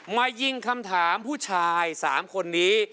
มายิงคำถามผู้ชาย๓คนนี้